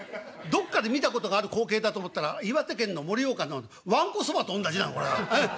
どっかで見たことがある光景だと思ったら岩手県の盛岡のわんこそばとおんなじなのこれええ。